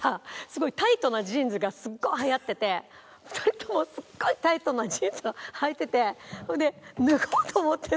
すごいタイトなジーンズがすっごい流行ってて２人ともすっごいタイトなジーンズをはいててそれで脱ごうと思って。